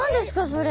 それ。